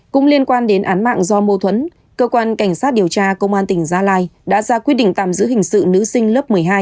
cũng liên quan đến án mạng do mâu thuẫn cơ quan cảnh sát điều tra công an tỉnh gia lai đã ra quyết định tạm giữ hình sự nữ sinh lớp một mươi hai